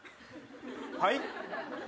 はい？